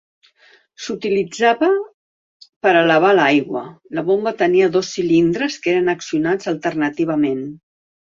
S'utilitzava per a elevar l'aigua: la bomba tenia dos cilindres que eren accionats alternativament.